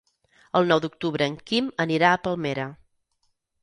El nou d'octubre en Quim anirà a Palmera.